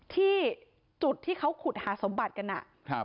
ที่จุดที่เขาขุดหาสมบัติกัน